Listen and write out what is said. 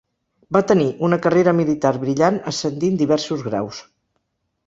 Va tenir una carrera militar brillant ascendint diversos graus.